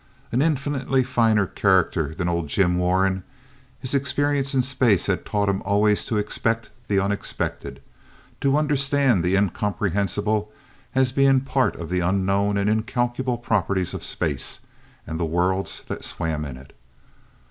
An infinitely finer character than old Jim Warren, his experience in space had taught him always to expect the unexpected, to understand the incomprehensible as being part of the unknown and incalculable properties of space and the worlds that swam in it.